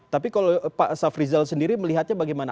tapi kalau pak safrizal sendiri melihatnya bagaimana